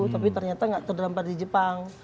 tapi ternyata tidak terdampar di jepang